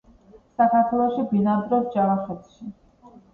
საქართველოში ბინადრობს ჯავახეთში.